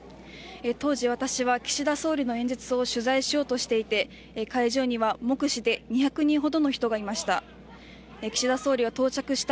当時、私は岸田総理の演説を取材しようとしていて会場には目視で２００人ほどの人がいました。